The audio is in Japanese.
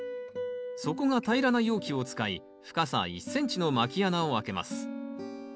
底が平らな容器を使い深さ１ｃｍのまき穴を開けます。